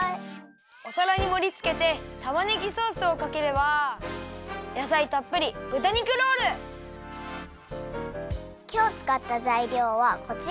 おさらにもりつけてたまねぎソースをかければやさいたっぷりきょうつかったざいりょうはこちら！